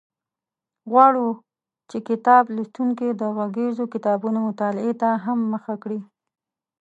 غواړو چې کتاب لوستونکي د غږیزو کتابونو مطالعې ته هم مخه کړي.